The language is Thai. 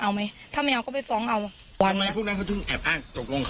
เอาไหมถ้าไม่เอาก็ไปฟ้องเอาวันไหมพวกนั้นเขาถึงแอบอ้างตกลงเขา